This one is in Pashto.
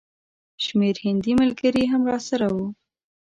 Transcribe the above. شمېر هندي ملګري هم راسره وو.